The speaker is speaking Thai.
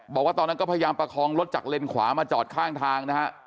บอกว่าตอนนั้นก็พยายามประคองรถจากเลนขวามาจอดข้างทางนะฮะ